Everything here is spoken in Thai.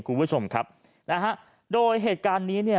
คุณผู้ชมครับโดยเหตุการณ์นี้